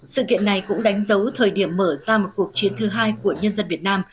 sự kiện này cũng đánh dấu thời điểm mở ra một cuộc chiến thứ hai của nhân dân việt nam